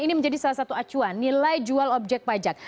ini menjadi salah satu acuan nilai jual objek pajak